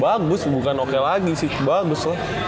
bagus bukan oke lagi sih bagus lah